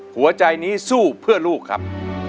หัวใจนี้สู้เพื่อลูกครับ